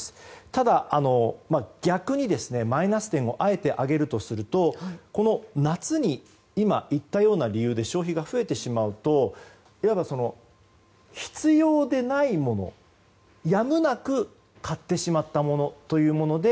ただ、逆にマイナス点をあえて挙げるとするとこの夏に今、言ったような理由で消費が増えてしまうといわば必要でないものやむなく買ってしまったものというもので